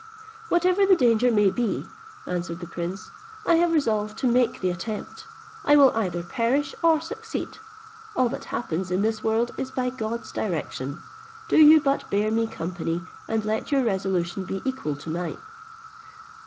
"Whatsoever the danger may be," answered the prince, "I have resolved to make the attempt; I will either perish or succeed. All that happens in this world is by God's direction. Do you but bear me company, and let your resolution be equal to mine."